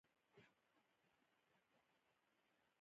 د بېلا بېلو ناروغیو د درملنې لپاره اپینو.